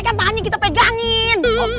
kan tangannya kita pegangin